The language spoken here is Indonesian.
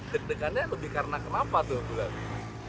deg degannya lebih karena kenapa tuh lagi